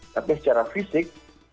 tapi secara fisik